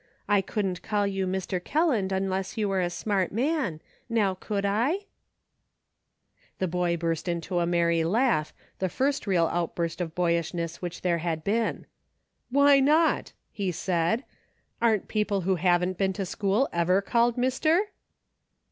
I couldn't call you Mr, Kelland unless you were a smart man. Now. could I .'" 10 EIGHT AND TWELVE. The boy burst into a merry laugh, the first real outburst of boyishness which there had been. "Why not?" he said. "Aren't people who haven't been to school ever called mister